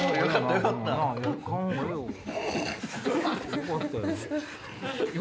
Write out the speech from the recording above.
よかったよ。